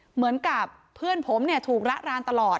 เหมือนกับเพื่อนผมเนี่ยถูกระรานตลอด